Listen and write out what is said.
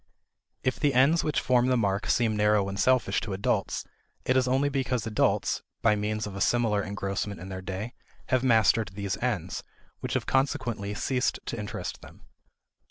If the ends which form the mark seem narrow and selfish to adults, it is only because adults (by means of a similar engrossment in their day) have mastered these ends, which have consequently ceased to interest them.